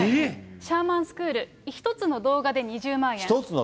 シャーマンスクール、１つの動画で２０万円。